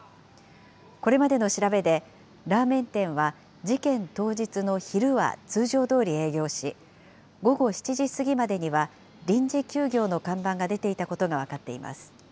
これまでの調べで、ラーメン店は事件当日の昼は通常どおり営業し、午後７時過ぎまでには臨時休業の看板が出ていたことが分かっています。